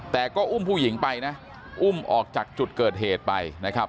แต่ก็อุ้มผู้หญิงไปนะอุ้มออกจากจุดเกิดเหตุไปนะครับ